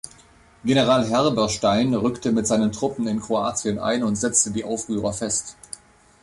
General Herberstein rückte mit seinen Truppen in Kroatien ein und setzte die Aufrührer fest.